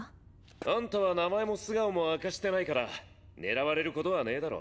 アンタは名前も素顔も明かしてないから狙われることはねぇだろ。